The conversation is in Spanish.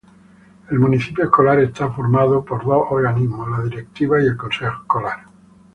El Municipio Escolar está formado por dos organismos: La Directiva y el Consejo Escolar.